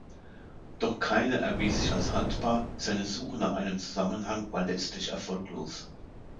Doch keine erwies sich als haltbar, seine Suche nach einem Zusammenhang war letztlich erfolglos.